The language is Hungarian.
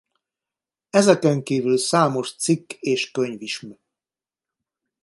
Ezeken kívül számos czikk és könyvism.